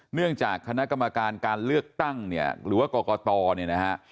เนื่องจากคณะกรรมการการเลือกตั้งเนี่ยหรือว่ากรกตเนี่ยนะฮะ